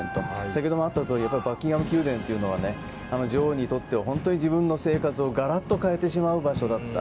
先程もあったとおりバッキンガム宮殿というのは女王にとって自分の生活をガラッと変えてしまう場所だった。